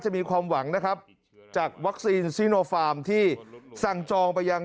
มีความหวังนะครับจากวัคซีนซีโนฟาร์มที่สั่งจองไปยัง